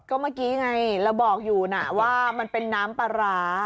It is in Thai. ก็เมื่อกี้ไงเราบอกอยู่นะว่ามันเป็นน้ำปลาร้า